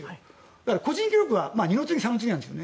だから、個人技術は二の次、三の次なんです。